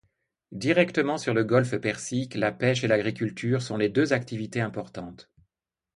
Directement sur le golfe Persique la pêche et l'agriculture sont les deux activités importantes.